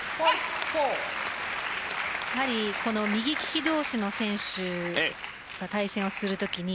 やはり、右利き同士の選手が対戦をするときに